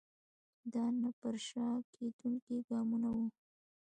دا نه پر شا کېدونکي ګامونه وو.